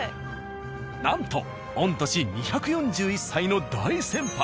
なんと御年２４１歳の大先輩。